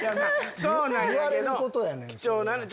そうなんやけど。